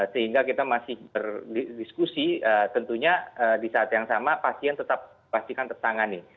sehingga kita masih berdiskusi tentunya di saat yang sama pasien tetap pastikan tertangani